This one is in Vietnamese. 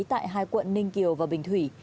tại hai quận ninh kiều và bình thủy